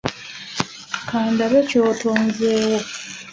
Kandabe ky'otonzeewo.